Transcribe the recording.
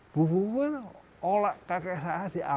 buku buku itu oleh kakek saya di amerika